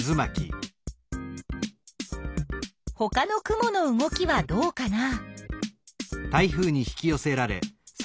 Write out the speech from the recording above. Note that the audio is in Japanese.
ほかの雲の動きはどうかな？